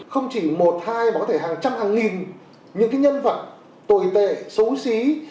không chỉ một hai mà có thể hàng trăm hàng nghìn những nhân vật tồi tệ xấu xí